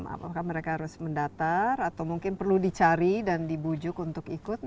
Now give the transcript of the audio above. apakah mereka harus mendatar atau mungkin perlu dicari dan dibujuk untuk ikut